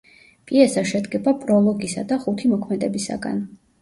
პიესა შედგება პროლოგისა და ხუთი მოქმედებისაგან.